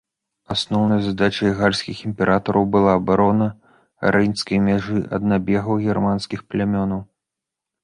Асноўнай задачай гальскіх імператараў была абарона рэйнскай мяжы ад набегаў германскіх плямёнаў.